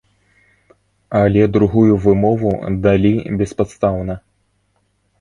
Але другую вымову далі беспадстаўна.